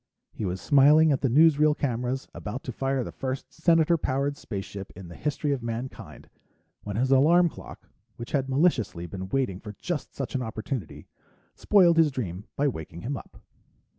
He was smiling at the newsreel cameras, about to fire the first Senator powered spaceship in the history of mankind, when his alarm clock, which had maliciously been waiting for just such an opportunity, spoiled his dream by waking him up.